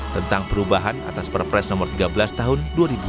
tentang perubahan atas perpres no tiga belas tahun dua ribu lima